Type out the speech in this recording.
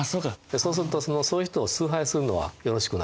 そうするとそういう人を崇拝するのはよろしくないと。